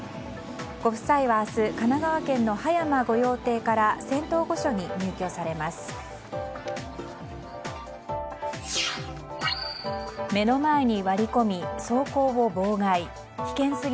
ご夫妻は明日、神奈川県の葉山御用邸から仙洞御所に入居されます。